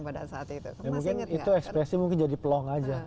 mungkin itu ekspresi mungkin jadi pelong aja